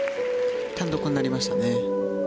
単独になりましたね。